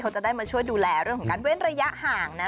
เขาจะได้มาช่วยดูแลเรื่องของการเว้นระยะห่างนะ